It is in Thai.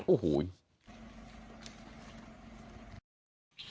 โอ้โห